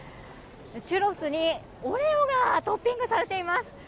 チュロスに、オレオがトッピングされています。